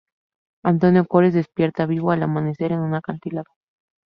Antonio Cores despierta, vivo, al amanecer, en un acantilado.